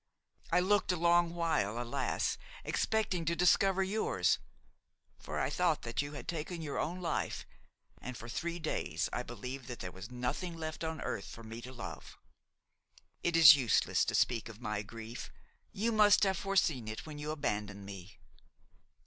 I looked a long while, alas! expecting to discover yours; for I thought that you had taken your own life, and for three days I believed that there was nothing left on earth for me to love. It is useless to speak of my grief; you must have foreseen it when you abandoned me.